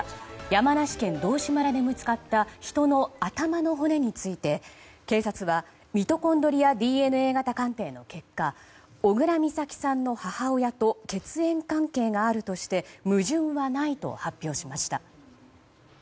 山梨県道志村で見つかった人の頭の骨について警察はミトコンドリアＤＮＡ型鑑定の結果小倉美咲さんの母親と血縁関係があるとして矛盾はないと発表しました。